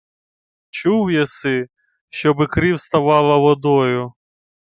— Чув єси, щоби крів ставала водою?